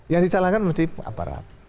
yang disalahkan mesti aparat